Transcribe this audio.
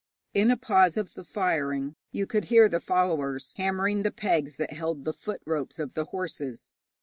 In a pause of the firing you could hear the followers hammering the pegs that held the foot ropes of the horses.